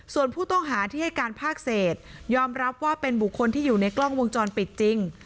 ส่วนผู้ต้องหาที่ให้การภาคเศษยอมรับว่าเป็นบุคคลที่อยู่ในกล้องวงจรปิดจริง